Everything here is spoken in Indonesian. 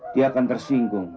dia akan tersinggung